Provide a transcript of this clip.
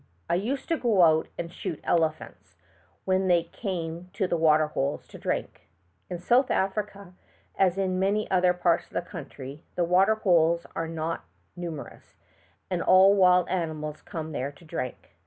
I used to go out and shoot elephants when they came to the water holes to drink. In South Africa, as in many other parts of the country, the water holes are not numerous, and all wild animals come there to drink.